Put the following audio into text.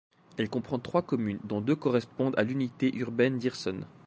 Elle comprend trois communes, dont deux correspondent à l'unité urbaine d'Hirson.